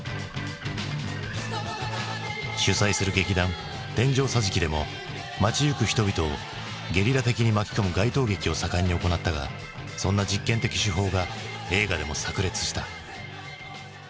主宰する劇団天井桟敷でも街行く人々をゲリラ的に巻き込む街頭劇を盛んに行ったがそんな実験的手法が映画でもさく裂した。